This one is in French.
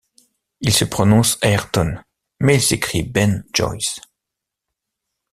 Il se prononce Ayrton, mais il s’écrit Ben Joyce!